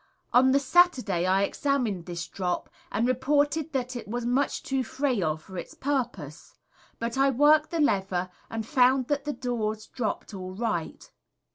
On the Saturday I examined this drop, and reported that it was much too frail for its purpose, but I worked the lever and found that the doors dropped all right.